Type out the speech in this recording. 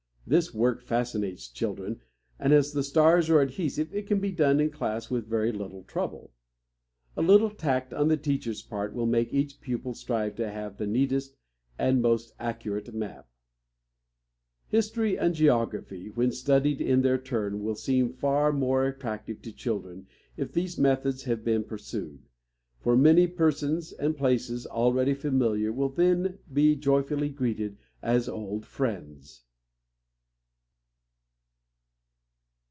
This work fascinates children, and as the stars are adhesive, it can be done in class with very little trouble. A little tact on the teacher's part will make each pupil strive to have the neatest and most accurate map. History and geography, when studied in their turn, will seem far more attractive to children if these methods have been pursued; for many persons and places already familiar will then be joyfully greeted as old friends.